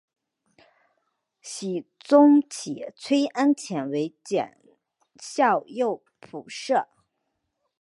僖宗起崔安潜为检校右仆射。